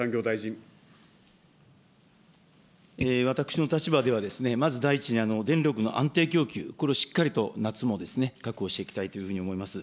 私の立場では、まず第一に電力の安定供給、これをしっかりと夏も確保していきたいというふうに思います。